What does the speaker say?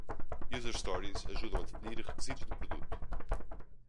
User Stories ajudam a definir requisitos de produto.